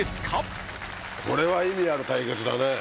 これは意味ある対決だね。